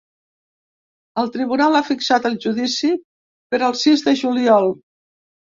El tribunal ha fixat el judici per al sis de juliol.